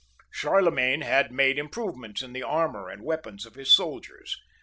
Charlemagne had made improvements in the armour and weapons of his soldiers.